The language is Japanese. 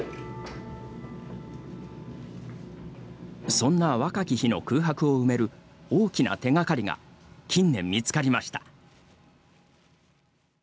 そんな若き日の空白を埋める大きな手がかりが近年見つかりました。